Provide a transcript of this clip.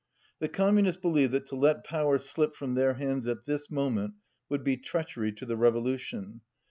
The Corrununists believe that to let power slip from their hands at this moment would be treach ery to the revolution.